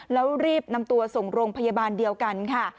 แล้วรีบนำตัวส่งโรงพยาบาลเดียวกันค่ะ